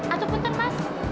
aduh puntan mas